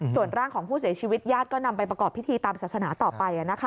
ส่วนร่างของผู้เสียชีวิตญาติก็นำไปประกอบพิธีตามศาสนาต่อไป